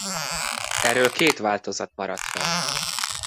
Erről két változat maradt fenn.